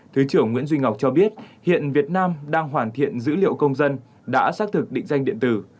thứ trưởng nguyễn duy ngọc cho biết hiện việt nam đang hoàn thiện dữ liệu công dân đã xác thực định danh điện tử